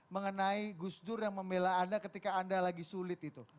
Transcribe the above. mengenai gus dur yang membela anda ketika anda lagi sulit itu